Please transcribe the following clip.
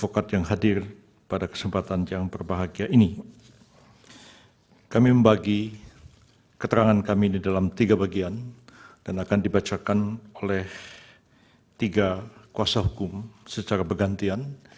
kami ini dalam tiga bagian dan akan dibacakan oleh tiga kuasa hukum secara bergantian